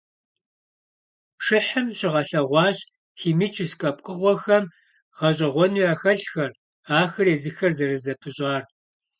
Пшыхьым щагъэлъэгъуащ химическэ пкъыгъуэхэм гъэщIэгъуэну яхэлъхэр, ахэр езыхэр зэрызэпыщIар.